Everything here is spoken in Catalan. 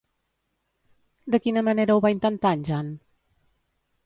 De quina manera ho va intentar en Jan?